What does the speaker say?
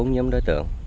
bốn nhóm đối tượng